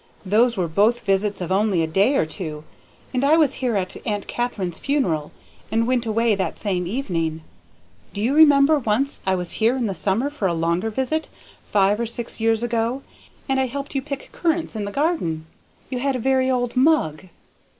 "Those were both visits of only a day or two, and I was here at Aunt Katharine's funeral, and went away that same evening. Do you remember once I was here in the summer for a longer visit, five or six years ago, and I helped you pick currants in the garden? You had a very old mug."